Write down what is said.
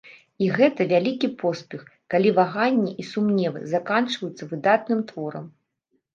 І гэта вялікі поспех, калі ваганні і сумневы заканчваюцца выдатным творам.